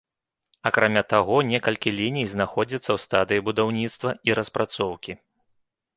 Акрамя таго некалькі ліній знаходзяцца ў стадыі будаўніцтва і распрацоўкі.